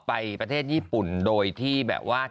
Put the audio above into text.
ไปประเทศญี่ปุ่นโดยที่แบบว่า